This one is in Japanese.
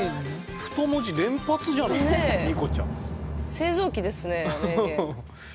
製造器ですね名言。